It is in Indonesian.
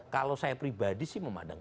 kalau saya pribadi sih memandang